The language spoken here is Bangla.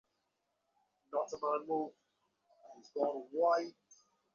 বরেরা তিন জনেই এইরূপ অসুলভরূপনিধান কন্যানিধান লাভে হতাশ হইয়া বৈরাগ্য লইলেন।